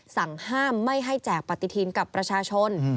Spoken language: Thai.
สั่งห้ามไม่ให้แจกปฏิทินกับประชาชน